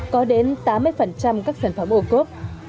có đến tám mươi các sản phẩm ô cốp